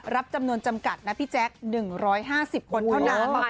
รับจำนวนจำกัดนะพี่แจ๊ค๑๕๐คนเท่านั้น